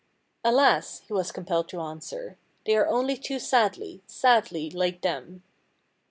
"Alas!" he was compelled to answer, "they are only too sadly, sadly like them."